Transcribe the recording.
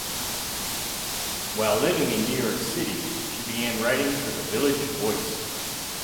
While living in New York City, she began writing for the "Village Voice".